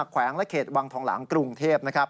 แขวงและเขตวังทองหลังกรุงเทพนะครับ